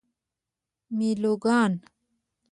میلوگان